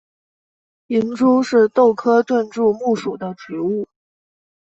银珠是豆科盾柱木属的植物。